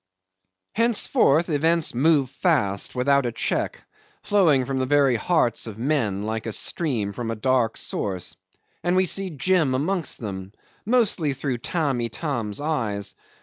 'Henceforth events move fast without a check, flowing from the very hearts of men like a stream from a dark source, and we see Jim amongst them, mostly through Tamb' Itam's eyes.